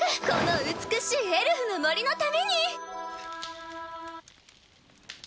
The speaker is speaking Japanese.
この美しいエルフの森のために！